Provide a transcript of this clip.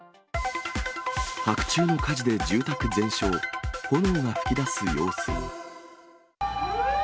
白昼の火事で住宅全焼、炎が噴き出す様子。